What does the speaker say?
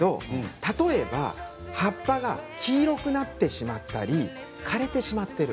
例えば葉っぱが黄色くなってしまったり枯れてしまっている。